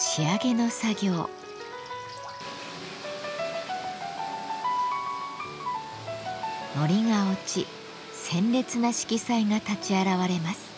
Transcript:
のりが落ち鮮烈な色彩が立ち現れます。